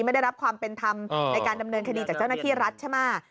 ไม่ได้รับความเป็นธรรมในการดำเนินคดีจากเจ้าหน้าที่รัฐใช่ไหม